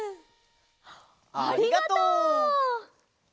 ありがとう！